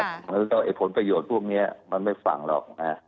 แล้วก็ผลประโยชน์พวกนี้มันไม่ฟังหรอกนะ